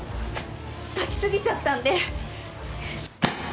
炊き過ぎちゃったんで！